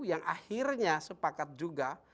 yang akhirnya sepakat juga